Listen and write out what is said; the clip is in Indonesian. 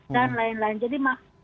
dan lain lain jadi